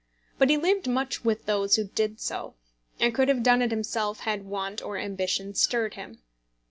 But he lived much with those who did so, and could have done it himself had want or ambition stirred him.